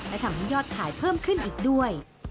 และทำให้ยอดขายเพิ่มขึ้นอีกด้วย